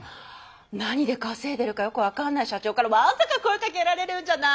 何で稼いでるかよく分かんない社長からわんさか声かけられるんじゃない？